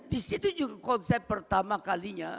disitu juga konsep pertama kalinya